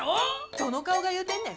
どの顔がいうてんねん。